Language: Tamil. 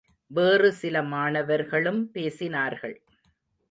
வேறு சில மாணவர்களும் பேசினார்கள்.